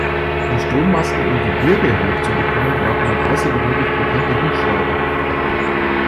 Um Strommasten im Gebirge hoch zu bekommen, braucht man außergewöhnlich potente Hubschrauber.